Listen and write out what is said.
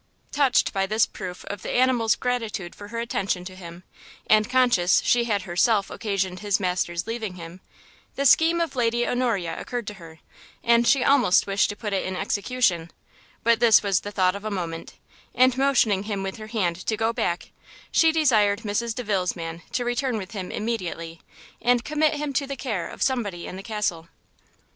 Touched by this proof of the animal's gratitude for her attention to him, and conscious she had herself occasioned his master's leaving him, the scheme of Lady Honoria occurred to her, and she almost wished to put it in execution, but this was the thought of a moment, and motioning him with her hand to go back, she desired Mrs Delvile's man to return with him immediately, and commit him to the care of somebody in the castle.